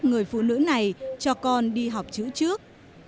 người phụ nữ này cho con đi học chữ trước